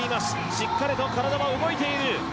しっかりと体は動いている。